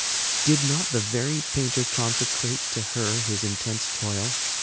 Did not the very painter consecrate to her his intense toil?